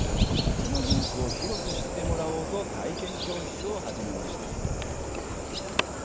その技術を広く知ってもらおうと体験教室を始めました。